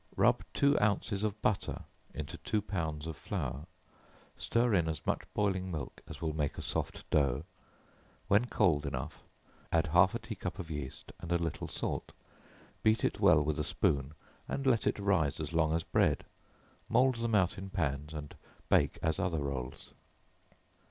Rub two ounces of butter into two pounds of flour; stir in as much boiling milk as will make a soft dough, when cold enough, add half a tea cup of yeast, and a little salt; beat it well with a spoon, and let it rise as long as bread; mould them out in pans, and bake as other rolls.